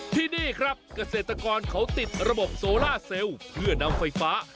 ที่นี่ครับเกษตรกรเขาติดระบบโซล่าเซลล์เพื่อนำไฟฟ้า